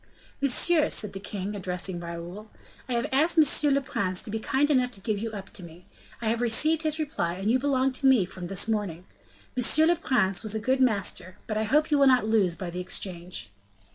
"Monsieur," said the king, addressing Raoul, "I have asked monsieur le prince to be kind enough to give you up to me; I have received his reply, and you belong to me from this morning. Monsieur le prince was a good master, but I hope you will not lose by the exchange."